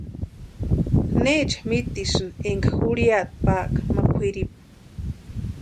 ¿Necha mitisïnki énka jurhiata paaka ma kwʼiripu?